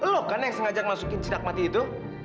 lo kan yang sengaja masukin cicak mati itu